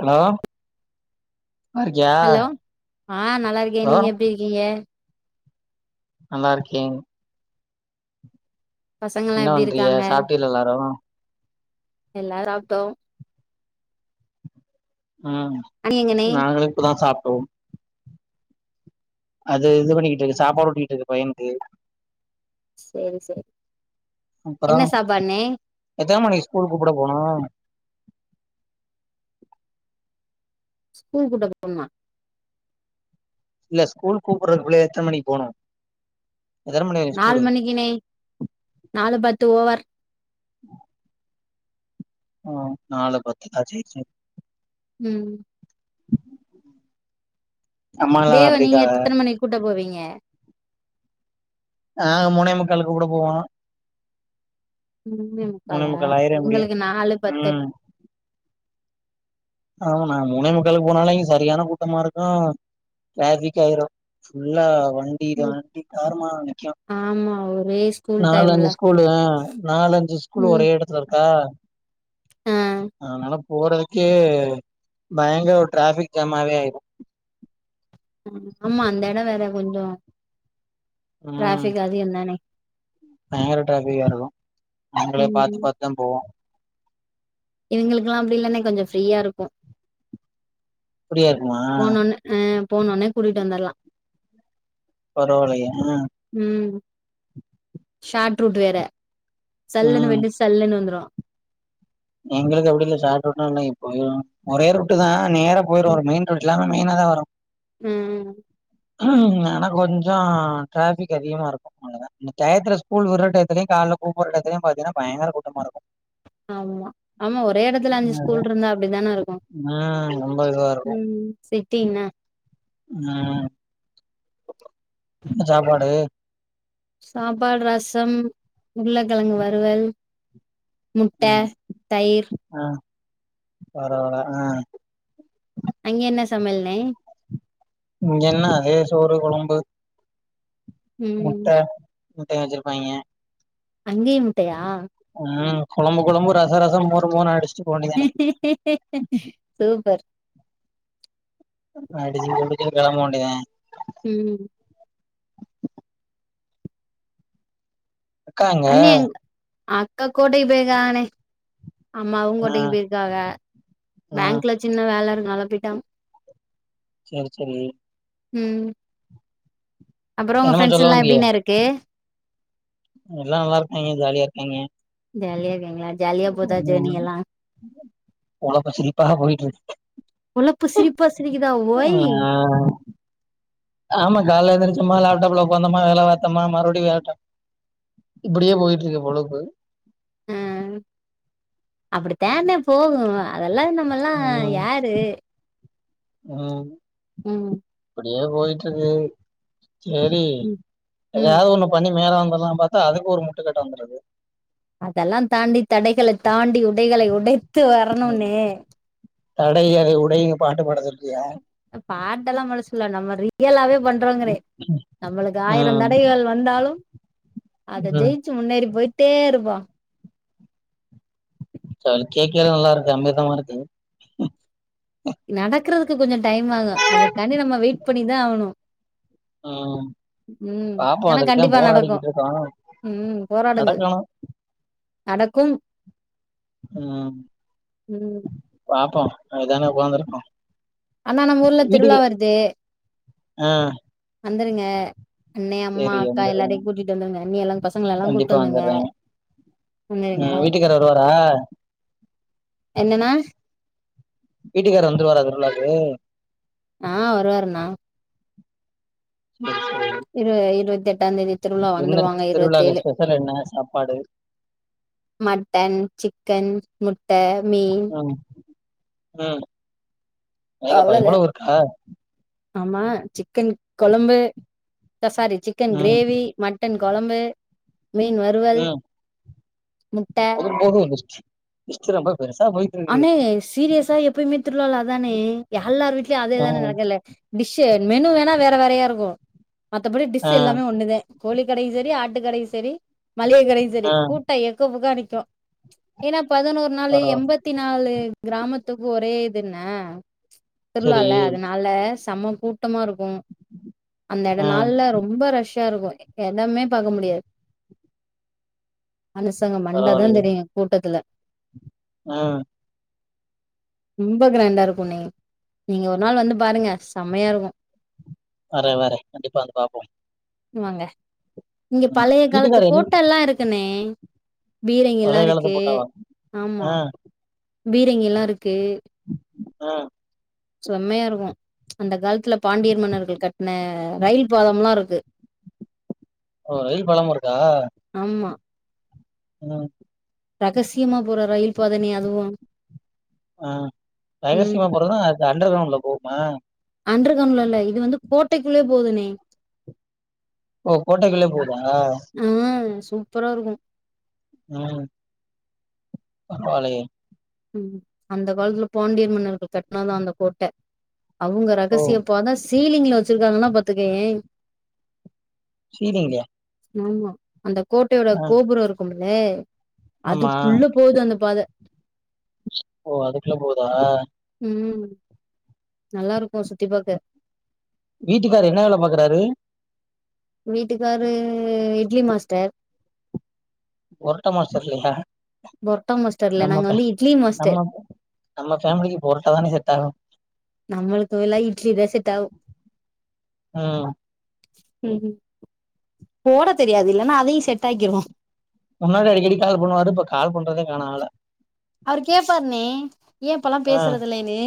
Hello நல்லா இருக்கியா hello ஆ நல்லா இருக்கே ஹலோ நீங்க எப்டி இருக்கீங்க நல்லா இருக்கே பசங்கல்லா என்ன எப்டி வண்றிய இருக்காங்க சாப்ட்டியலா எல்லாரு எல்லாரு ஆப்டோ அ அண்ணி எங்கண்ணே நாங்களு இப்பதா சாப்ட்டோம் அது இது பண்ணிக்கிட்டு இருக்கு சாப்பாடு ஊட்டிக்கிட்டு இருக்கு பையனுக்கு செரி செரி அப்ற எத்தன மணிக்கு ஸ்கூல் கூப்ட போனு ஸ்கூல் கூட்ட போன்மா இல்ல ஸ்கூல் கூப்பிறதுக்கு பிள்ளய எத்தன் மணிக்கு போணு நால் மணிக்குணே நாலு பத்து ஓவர் ஆ நாலா பத்தீங்ளா சேர் சேர் ம் அம்மா எல்லாரு தேவ எப்டி நீங்க இருக்காக எத்தன மணிக் கூட்ட போவீங்க ஆ மூணே முக்காலுக்கு கூட போவோ மூணே மூணே முக்காலா முக்கால் ஆயிரு எப்டியு இவ்ங்களுக்கு நாலு பத்து ம் ஆமா நாங் மூணே முக்காலுக்கு போனாலே அங்க சரியான கூட்டமா இருக்கு ட்ராஃபிக் ஆயிரு ஃபுல்லா வண்டி இது ம் வண்டி காருமேல நிக்கு ஆமா ஒரே ஸ்கூல் டைம்ல நாலஞ்சு ஸ்கூலு ஆ நாலஞ்சு ஸ்கூலு ம் ஒரே எடத்துல இருக்கா ஆ அதனால போறதுக்கே ஏ பயங்கர ஒரு ட்ராஃபிக் ஜாமாவே ஆயிரு அ ஆமா அந்த எட வேற கொஞ்ச ம் ட்ராஃபிக் அதிகந் தானே பயங்கர ட்ராஃபிக்கா இருக்கு நாங்களே ம் பாத்து பாத்துதா‌ போவோ இவ்ங்களுக்லா அப்டி இல்லண்ணே கொஞ்ச ஃப்ரீயா இருக்கு இப்டியே இருக்கணு போனோன்ன அ போனோனே கூட்டிட்டு வந்துர்லா பரவால்லயே ம் ட்ருட்டு வேற சல்லுன்னு ம் வந்து சல்லுன்னு வந்துரு எங்களுக்கு அப்டி இல்ல ஷாட் ரூட்லா அதுலா இப்பயு ஒரே ரூட்டு தா நேரா ம் போயிருவாரு மெயின் ரூட்லா வந் மெய்னாதா வரு ம் ஆனா கொஞ்சம் டிராபிக் அதிகமா இருக்கும் அவ்வளவுதான் அந்த டயத்தல ஸ்கூல் விடுற டயத்தத்துலயும் கால இந்த கூப்புற டயத்தலையும் பாத்தீங்கன்னா பயங்கர கூட்டமா இருக்கும் ஆமா ஆமா ஒரே எடத்துல அஞ்சு ஸ்கூல் இருந்தா அப்பிடிதானே இருக்கும் ம் ரொம்ப இதுவா இருக்கு ம் சிட்டினா ம் என்ன சாப்பாடு சாப்பாடு ரசம் உருளக்கிழங்கு வறுவல் முட்டை தயிர் பரவவல்லா ஆ அங்க என்ன சமயல்னே இங்க என்ன அதே சோறு கொழம்பு ம் முட்ட வச்சுருப்பாங்கே அங்கேயும் முட்டயா ம் கொழம்பு கொழம்பு ரசம் ரசம் மோரு மோரு ஆயிடுச்சு சூப்பர் அடிட்டு களம்ப வேண்டியதுதான் ம் அக்கா எங்க அண்ணே எங் அக்கா கோட்டைக்கு போயிருக்கங்கன்னே அம்மாவும் ஆ கோட்டைக்கு போயிருக்காங்க ஆ பேங்க்ல சின்ன வேல இருக்கால [unintelligible] செரி செரி ம் அப்பறம் உன் என்னமோ ஃபரெண்ட்ஸ்ல்லாம் எப்படின்னே இருக்கு எல்லாம் நல்லா இருக்காங்க ஜாலியா இருக்காங்க ஜாலியா இருக்கீங்களா ஜாலியா போதா ஜேர்னி ம் எல்லா பொழப்பு சிரிப்பா போயிட்டு இருக்கு பொழப்பு சிரிப்பா சிரிக்குதா ஆ ஒய் ஆமா காலைல எந்திரிச்சோமா லேப்டாப்ல உட்காந்தோமா வேல பாத்தோமா மறுபடியும் [unintelligible] இப்பிடியே போயிட்டு இருக்க பொழப்பு அப்படிதான்னே போகும் அதெல்லாம் நம்மல்லாம் யாரு ஹலோ ம் இப்பிடியே போயிட்டு இருக்கு சரி ம் ம் எதாவது ஒண்ணு பண்ணி மேல வந்துடலாம் பாத்தா அதுக்கு ஒரு முட்டுக்கட்டை வந்துடுது தடைகளை உடைத்து வரணும்ன்னே தடைகளை உடைங்க பாட்டு பாட சொல்றியா ஏய் பாட்டெல்லாம் பாட சொல்லல நம்ம ரியலாவே பண்றங்களே நம்மளுக்கு ஆயிரம் ம் தடைகள் வந்தாலும் அத ம் ஜெயிச்சு முன்னேறி போயிட்டே இருக்கனு அது கேக்க எல்லாம் நல்லா இருக்கு அமிர்தமா இருக்கு நடக்கறதுக்கு கொஞ்சம் டைம் ஆகும் அதுக்காண்டி நம்ம வெயிட் பண்ணிதான் ஆகணும் ம் ம் பாப்போம் எனக்கு அதுக்குதா கண்டிப்பா நடக்கும் போராடிக்கிட்டு இருக்கோம் ம் போராடுங்கள் நடக்கணும் நடக்கும் ம் ம் பாப்போம் அதானே ஒக்காந்துருக்கோ அண்ணா நம்ம ஊர்ல திருவிழா வருது ஆ வந்துருங்க அண்ணே அம்மா சரி அக்கா வந்துடுறேன் எல்லாரையும் கூட்டிட்டு வந்துருங்க அண்ணி எல்லாம் பசங்கள எல்லாம் கூட்டிட்டு வந்துருங்க வந்துருங்க உங்க வீட்டுக்காரர் வருவாரா என்னன்னா வீட்டுக்காரர் வந்துருவார அதுக்குள்ள ஆ வருவாருண்ணா சரி இரு இருவத்தெட்டாந்ந்தேதி திருவிழா என்ன வந்துருவாங்க திருவிழாக்கு இருவத்தேழு ஸ்பெஷல் என்ன சாப்பாடு மட்டன் சிக்கன் முட்ட மீன் ம் ம் அடேங்கப்பா இவ்ளோ அவ்வளவுதான் இருக்கா ஆமா சிக்கன் கொழம்பு ச சாரி சிக்கன் ம் கிரேவி மட் ட்டன் கொழம்பு மீன் வறுவல் ம் முட்டை போதும் போது லிஸ்ட் லிஸ்ட் ரொம்ப பெருசா போயிட்டு இருக்கு அண்ணே சீரியஸா எப்பயுமே திருவிழால அதாண்ணே யால்லார் வீ்ட்லயும் அதே ஆ தானே நடக்கல டிஷ் மெனு வேணா வேற வேறையா இருக்கு மத்தபடி டிஷ் ஆ எல்லாமே ஒன்னுதே கோழி கடை சரி ஆட் டு கடையு சரி மளிகை கடையு சரி ஆ கூட்ட எக்க புகா நிக்கு ஏனா பதினொரு நாலு பரவா எம்பத்தி நாலு கிராமத்துக்கு ஒரே இதுன சரி திருழால அதனால செம கூட்டமா இருக்கும். அந்த எட ஆ நாள்ல ரொம்ப ரஷ் ஷா இருக்கும் எனமே பாக்க முடியாது மனுசங்க மண்டதா பரவாயில்லையே தெரியு கூட்டத்துல ஆ ரொம்ப கிராண்டா இருக்கும்ணே நீங்க ஒரு நாள் வந்து பாருங்க செம்மையாருக்கு வர வர கண்டிப்பா வந்து பாப்போ நீங் வாங்க இங்க பழைய காலத்து வீட்டுக்கார என் போட்டால்லா இருக்குண்ணே பீரங்கி எல்லா பழைய காலத்து இருக்கு போட்டாவா ஆமா ஆ பீரங்கி எல்லா இருக்கு அ செம்மையா இருக்கு அந்த காலத்துல பாண்டியர் மன்னர்கள் கட்டுன ரயில் பாதம்லா இருக்கு ஓ ரயில் பாலம் இருக்கா? ஆமா ம் ரகசியமா போற ரயில் பாதன்னியே அதுவா ஆ ரகசியமா போறதுனா அது அண்டர் கிரவுண்ட்ல போகுமா அன்டர் க்ரவுண்ட்ல உள்ள இது வந்து கோட்டைக்குள்ளே போதுணே ஓ கோட்டைக்குள்ளே போகுதா ஆ சூப்பரா இருக்கும் ம் பரவால்லையே ம் அந்த காலத்துல பாண்டியர் மன்னர்கள் கட்னதுதா அந்த கோட்ட அவங்க ஓ ரகசியப்பாதன சீலிங்ல வச்சிருக்காங்கன்னா பாத்துக்கோயே ஹீலிங்லயா ஆமா அந்த கோட்டையோட கோபுரோ இருக்குமுல்லே ஆமா அதுக்குள்ள போகுது அந்த பாத ஓ அதுக்குள்ள போகுதா ம் நல்லா இருக்கு சுத்தி பார்க்க வீட்டுக்கார் என்ன வேல பாக்குறாரு வீட்டுக்காரு இட்லி மாஸ்டர் பொரட்டா மாஸ்டர் இல்லயா பொரட்டா மாஸ்டர் இல்ல நாங்க வந்து இட்லி மாஸ்டர் நம்ம நம்ம ஃபேமிலிக்கு பொரட்டா தானே செட் ஆகு நம்மளுக்கு வெல்லா இட்லிதா செட்டாவு ம் ம் போட தெரியாது இல்லைனா அதையு செட் ஆக்கிருவோ. முன்னாடி அடிக்கடி கால் பண்ணுவாரு இப்ப கால் பண்றதே காணா ஆள அவர் கேட்பாருண்ணே ஏ இப்பல்லா ஆ பேசுறதுல்லைன்னு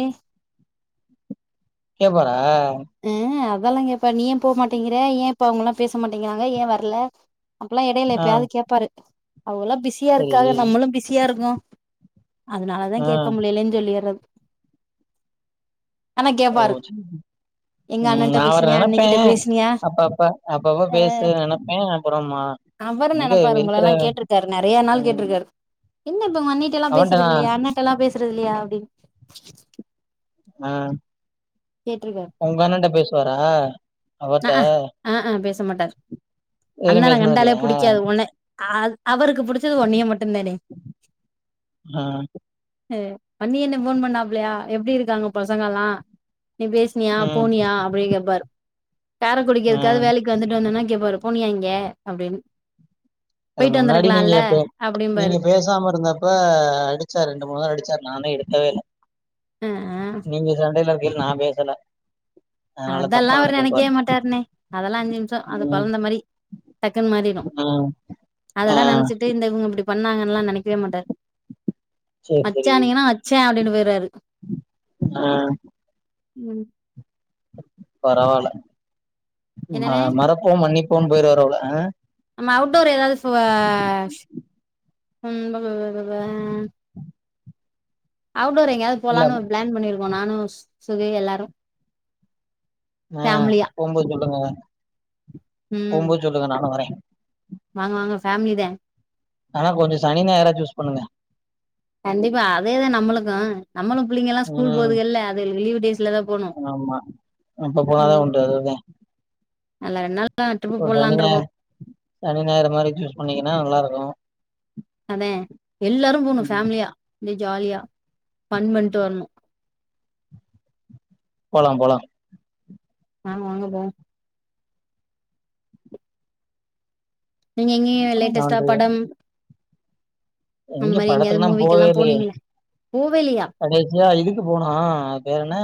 கேப்பாரா ஆ அதெல்லா கேப்பாரு நீ ஏ போமாட்டேங்கிற ஏ இப்ப அவங்கெல்லா பேச மாட்டேங்கிறாங்க ஏ வர்ல அப்பெல்லா எடைல ஆ எப்பையாவது கேட்பாரு அவங்களா பிஸியா சரி இருக்காக நம்மளு பிஸியா இருககோ அதனாலதா ஆ கேக்க முலைலேன்னு சொல்லியட்றது ஓ.... கேப்பாரு சேரி எங்க உம் அண்ணன்ட்ட நா அவர பேசினியா நினைப்பே அண்ணிக்கிட்ட பேசினியா அப்ப அப்ப அப்பப்ப பேச நினைப்பே அ அப்புறம்மா அவரும் நினைப்பாரு உங்களைல்லா கேட்டிருக்காரு நிறைய நாள் ம் கேட்டிருக்காரு என்ன இப்ப உங்கண்ணிட்ட எல்லா பேசுறது அவன்ட்டனா இல்லையா அண்ணாட்ட எல்லா பேசுறது இல்லையா அப்படி ஆஹ் உங்க அண்ணன்ட்ட பேசுவாரா அவர்ட்ட ஆஹஹ் ஆஹ் பேச மாட்டாரு இதுவரையு அண்ணன பேசுனது கண்டாலே இல்லையா புடிக்காது உடனே அது அவருக்கு புடிச்சது உன்னைய மட்டும் தானே ஆ ஹ மணி அண்ண ஃபோன் பண்ணாப்பலையா எப்படி இருக்காங்க பசங்க எல்லா நீ பேசினியா ம் போனியா அப்டின்னு கேப்பாரு காரைக்குடிக்கு எதுக்காது ம் வேலைக்கு வந்துட்டு வந்தேன்ன கேப்பா அப்ற போனியா இங்க அப்டின்னு அது போயிட்டு முன்னாடி நீங்க வந்திருக்கலால்ல எப்பயாவது நீங்க அப்டிம்பாரு பேசாம இருந்தப்ப அடிச்சாரு ரெண்டு மூணு தர அடிச்சாரு நானே எடுக்கல க்கவே இல்ல அ நீங்க சண்டயில இருக்கைல நான் பேசல அதனால அதெல்லா தப்பா அவரு நெனச்சிருப்பாரு நினைக்கவே மாட்டருண்ணே அதெல்லா அஞ்சு நிமிஷம் அந்த ம் குழந்த மாரி டக்குன்னு மாறிடும் ம் ஆ அதெல்லா நினைச்சுக்கிட்டு இந்த இவுங்க இப்படி பண்ணாங்கன்னல்லா நினைக்கவே மாட்டாரு வச்ச நீங்கன்னா வச்ச அப்படின்னு போயிருவாரு ஆஹ் உம் பரவாயில்ல என்னண்ணே மறப்போம் மன்னிப்போம்னு போயிருவாரு போல [unintelligible] அவுடோரு எங்கேயாவது இல்ல போலானு ஒரு பிளான் பண்ணிருக்கோம் நானு சுவே எல்லாரும் ஆஹ் போம்போது சொல்லுங்க ம் போம்போது சொல்லுங்க நானும் வரேன் வாங்க வாங்க ஃபேமிலி தா ஆனா கொஞ்சம் சனி ஞாயிறா சூஸ் பண்ணுங்க கண்டிப்பா அதேதா நம்மளுக்கும் நம்மளும் பிள்ளைங்க எல்லா ஸ்கூல் ம் போகுதுங்கல்ல அதுகளுக்கு லீவு ஆமா இப்ப போனாதா ம் உண்டு அதுதா நல்லா ரெண்டு நாள் ச சனி ஞா சனி ஞாயிறு மாதிரி சூஸ் பண்ணிங்கன்னா நல்லா இருக்கும் அதான் எல்லாரும் போணும் ம் ஃபேமிலியா அப்டியே ஜாலியா ஃபன் பண்ணிட்டு வரணும் போலாம் போலாம் வாங்க வாங்க போவோம் நீங்க எங்கேயும் லேட்டஸ்ட்டா நன்றி படம் அந்த எங்க மாரி எங்கேயாவது படத்துகெல்லாம் போவே மூவிக்கெல்லா இலையே போனீங்களா போவே இல்லையா கடைசியா இதுக்கு போனோம் பேரு என்ன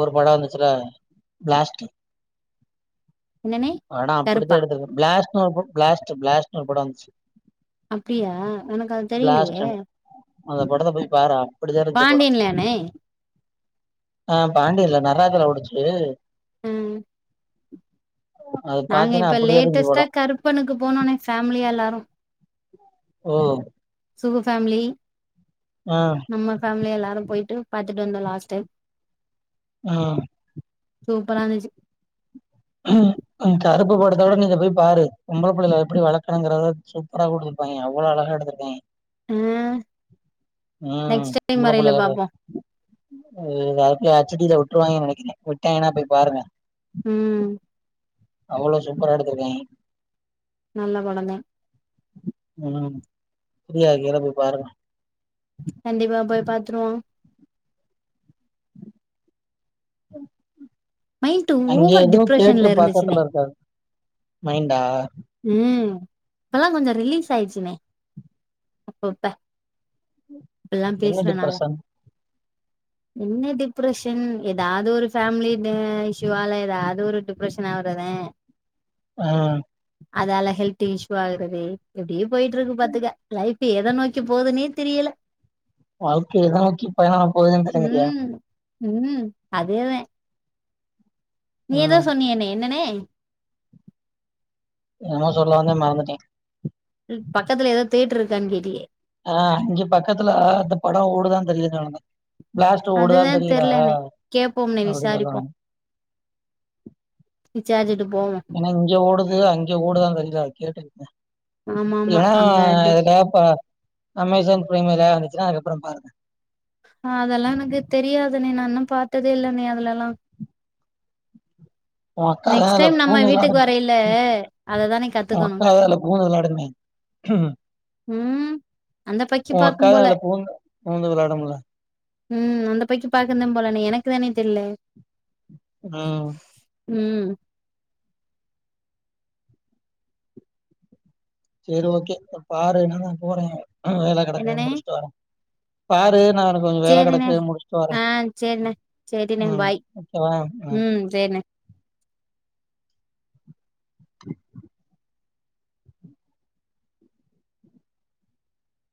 ஒரு படம் வந்துச்சுல பிளாஸ்ட் என்னண்ணே படம் அப்படித்தான் கருப்பா எடுத்துருக்கு ப்ளாஸாட் ஒரு ப்ளாஸ்ட் ப்ளாஸ்ட் ஒரு படம் வந்துச்சு அப்டியா எனக்கு அது தெரியலையே பிளாஸ்ட்ன்னு அந்த படத்த போய் பாறே அப்படிதான் இருந்துஞ்சு படம் பாண்டியன்லயாண்ணே ஆஹ் பாண்டியல்ல நடராஜல ஓடுச்சு உம் அது நாங்க பாத்தீன்னா இப்ப அப்படிதான் இருந்துச்சு லேட்டஸ்ட்டா படம் கருப்பனுக்கு போனோண்ணே ஃபேமிலியா எல்லாரும் ஓ சுகு ஃபேமிலி ஆ நம்ம ஃபேமிலி எல்லாரும் போயிட்டு பாத்துட்டு வந்தோம் லாஸ்ட் டைம் ஆஹ் சூப்பரா இருந்துச்சி உம் கருப்பு படத்த விட நீங்க போய் பாரு பொம்பள பிள்ளைல எப்படி வளர்க்கணுங்கறத சூப்பரா குடு பைய அவ்ளோ அழகா எடுத்துறுக்கா அவே ம் ம் பொம்பளபுள்ளயார்க்கே [unintelligible] செடில விட்டுருாங்கேன்னு நெனைக்குறே விட்டாங்கேனா போய் பாருங்க உம் அவ்ளோ சூப்பரா எடுத்துருக்கியா அவே நல்ல கொனோந்தே ம் ஃப்ரியா இருக்கையில போய் பாருங்கே கண்டிப்பா போய் பாத்துருவோ மைண்ட் அங்க ஓவர் எதுவு தேட்று டிப்ரெஷன்ல இருந்துச்சுனே பக்கத்துல இருக்காது மைண்டா ம் இப்பதா கொஞ்சோ ரிலீஸ் ஆயிச்சுனே அப்பப்ப இப்பலா என்ன பேசுறனால டிப்ரஷன் என்ன டிப்ரஷன் ஏதாவது ஒரு ஃபேமிலி அ இஷுவால ஏதாவது ஒரு டிப்ரெஷன் ஆவுறத ஆ ஆ அதால ஹெல்த் இஷூ ஆகுறதே இப்டியே போயிட்டுருக்கு பாத்துக்க லைஃப் லைஃப்பு எத நோக்கி போதுன்னே தெரியுல வாழ்க்கையதா நோக்கி பயணோ ஆவபோதுன்னுங்கிரியா ம். ம் அதேதா ம் நீயெதோ சொன்னீயேண்ணே என்னன்ணே என்னமோ சொல்ல வந்தே மறந்துட்டே ம் பக்கத்துல ஏதாவது தேட்ரு இருக்கான்னு கேட்டியே ஆ அஞ்சு பக்கத்துல அந்த படோ ஓடுதானு தெரியுலங்றானுங்க பளாஸ்ட்டு ஓடுதா அதுதான் தெரியுல தெர்லனே. கேட்போம்னே அப்டீனு சொல்லுவாங் விசாரிப்போம். ரிச்சார்ஜு ஆயிடும் ஏன்னா இங்க ஓடுது அங்க ஓடுதான்னு தெரியுல கேட்டு ஆமாமா. இல்லன்னா அங்க டிஸ் இதுக்கப்ப அமேசான் ப்ரைம் எதாவது வந்துச்சுன்னா அதுகப் புறோ பாருங்க ஆ அதெல்லா எனக்கு தெரியாதுண்ணே நா இன்னு பாத்ததே இல்லண்ணே நீ அதுலெல்லா உ அக்காலா நெக்ஸ்ட் அதுல டைம் நம்ம பூந்து வீட்டுக்கு வெளாடுமே வரையில ம் உ அததானே கத்துக்கணும். அக்காலா பூந்து வெளயாடிடுமே ம். அந்த பக்கி உ அக்கா பாக்கும் தா போல. அதுல பூந்து புகுந்து வெளாடும்ல ம் அந்த போய்ட்டு பாக்குனு போல்லண்ணே எனக்கு தானே தெர்ல அ ம் செரி ஓகே அ பாருன்னனா போறே வேல கெடைக்கு என்னனே? முடிச்சுட்டு வரே பாரு நா இங்க கொஞ்சோ வேல சேரிண்ணே. கெடக்கு முடிச்ட்டு வாரே ஆ. சேரிண்ணே. சேரிண்ணே. ம் பாய். வெக்கவா ம்